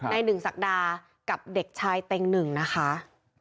ในหนึ่งศักดากับเด็กชายเต็งหนึ่งนะคะ